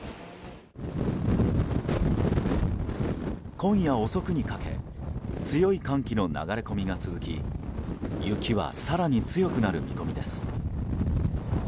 今夜遅くにかけ強い寒気の流れ込みが続き雪は更に強くなる見込みです。